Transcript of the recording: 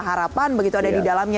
harapan begitu ada di dalamnya